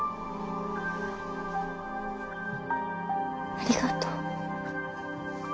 ありがとう。